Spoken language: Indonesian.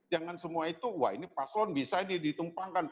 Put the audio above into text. jangan semua itu wah ini paslon bisa ini ditumpangkan